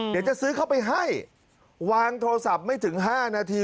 เดี๋ยวจะซื้อเข้าไปให้วางโทรศัพท์ไม่ถึง๕นาที